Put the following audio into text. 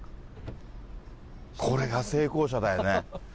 これが成功者だよね。